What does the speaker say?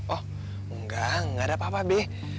oh enggak enggak ada apa apa be